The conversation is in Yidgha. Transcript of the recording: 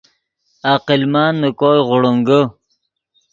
عقل مند نے کوئے غوڑینگے